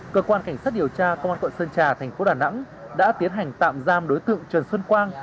cơ quan cảnh sát điều tra công an quận sơn trà thành phố đà nẵng đã tiến hành tạm giam đối tượng trần xuân quang